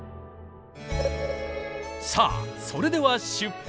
さあそれでは出発！